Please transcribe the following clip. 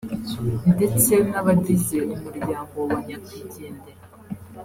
ndetse n’abagize umuryango wa Nyakwigendera